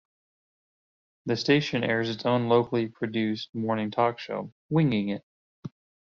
The station airs its own locally produced morning talk show, Winging It!